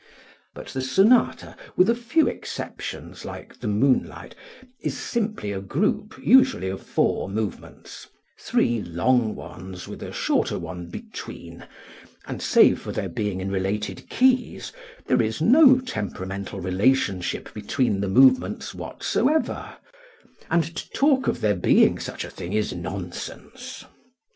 But the sonata, with a few exceptions like the "Moonlight," simply is a group usually of four movements, three long ones with a shorter one between, and, save for their being in related keys, there is no temperamental relationship between the movements whatsoever, and to talk of there being such a thing is nonsense.